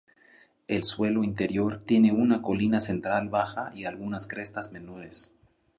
El suelo interior tiene una colina central baja y algunas crestas menores.